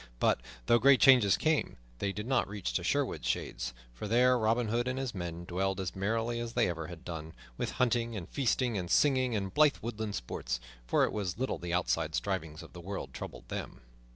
But though great changes came, they did not reach to Sherwood's shades, for there Robin Hood and his men dwelled as merrily as they had ever done, with hunting and feasting and singing and blithe woodland sports; for it was little the outside striving of the world troubled them.